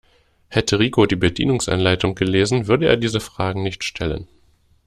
Hätte Rico die Bedienungsanleitung gelesen, würde er diese Fragen nicht stellen.